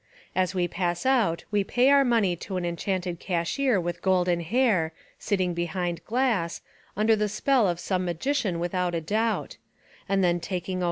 As we pass out we pay our money to an enchanted cashier with golden hair, — sitting behind glass, — under the spell of some magician without a doubt, — and then tak 247 Essays and Literary Studies ing O.